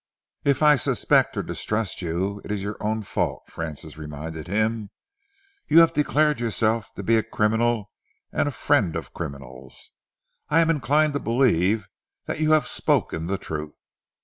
"If I suspect and distrust you, it is your own fault," Francis reminded him. "You have declared yourself to be a criminal and a friend of criminals. I am inclined to believe that you have spoken the truth.